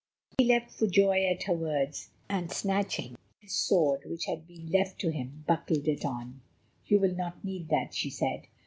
He leapt for joy at her words, and snatching at his sword, which had been left to him, buckled it on. "You will not need that," she said.